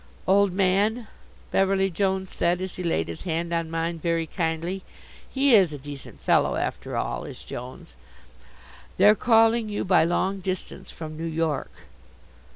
"Old man," Beverly Jones said, as he laid his hand on mine very kindly he is a decent fellow, after all, is Jones "they're calling you by long distance from New York."